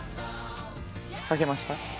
書けました？